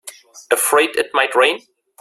Afraid it might rain?